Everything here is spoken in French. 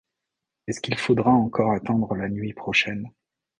Est-ce qu’il faudra encore attendre la nuit prochaine ?…